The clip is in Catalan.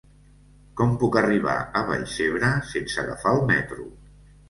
Com puc arribar a Vallcebre sense agafar el metro?